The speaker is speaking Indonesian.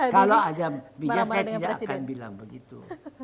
kalau ada bijak saya tidak akan bilang begitu